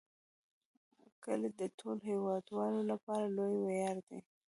کلي د ټولو هیوادوالو لپاره لوی ویاړ دی.